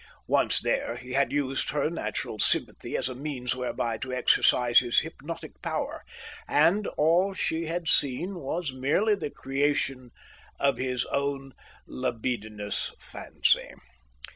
Once there, he had used her natural sympathy as a means whereby to exercise his hypnotic power, and all she had seen was merely the creation of his own libidinous fancy.